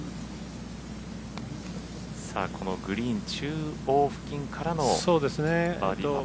このグリーン中央付近からのバーディーパット。